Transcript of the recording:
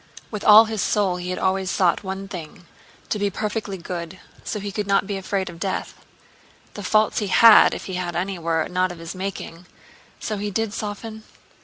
With all his soul he had always sought one thing—to be perfectly good—so he could not be afraid of death. The faults he had—if he had any—were not of his making. So he did soften?...